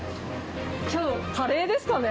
きょうはカレーですかね。